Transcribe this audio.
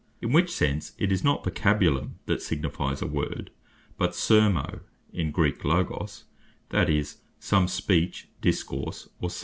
In which sense it is not Vocabulum, that signifies a Word; but Sermo, (in Greek Logos) that is some Speech, Discourse, or Saying.